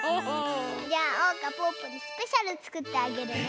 じゃあおうかぽぅぽにスペシャルつくってあげるね！